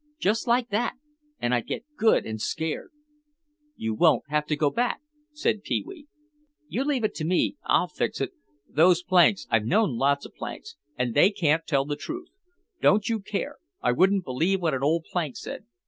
just like that, and I'd get good and scared." "You won't have to go back," said Pee wee. "You leave it to me, I'll fix it. Those planks—I've known lots of planks—and they can't tell the truth. Don't you care. I wouldn't believe what an old plank said.